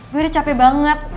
gue udah capek banget